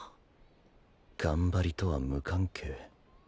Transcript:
頑張りとは無関係。